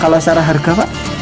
kalau secara harga pak